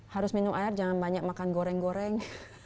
harus minum air jangan banyak makan goreng goreng